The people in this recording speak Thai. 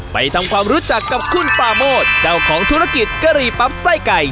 ไปทำความรู้จักกับคุณปาโมดเจ้าของธุรกิจกะหรี่ปั๊บไส้ไก่